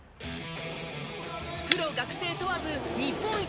プロ学生問わず日本一を決める